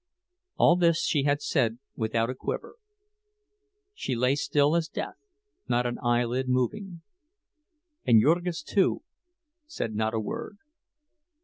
All this she had said without a quiver; she lay still as death, not an eyelid moving. And Jurgis, too, said not a word.